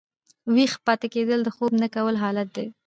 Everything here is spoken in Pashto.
ویښ پاته کېدل د خوب نه کولو حالت دئ.